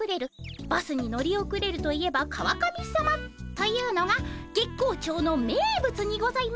バスに乗り遅れるといえば川上さまというのが月光町の名物にございますからねえ。